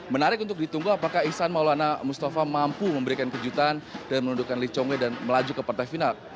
menarik untuk ditunggu apakah ihsan maulana mustafa mampu memberikan kejutan dan menundukkan lee chong wei dan melaju ke partai final